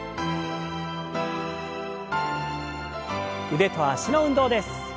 腕と脚の運動です。